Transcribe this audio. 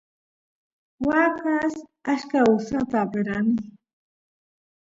waa kaas achka usata aperani